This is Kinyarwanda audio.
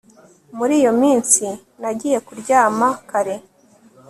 Muri iyo minsi nagiye kuryama kare